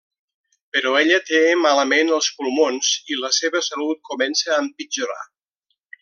Però ella té malament els pulmons i la seva salut comença a empitjorar.